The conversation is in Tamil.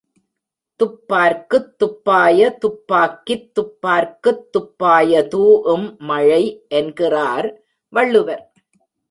துப்பார்க்குத் துப்பாய துப்பாக்கித் துப்பார்க்குத் துப்பாய தூஉம் மழை என்கிறார் வள்ளுவர்.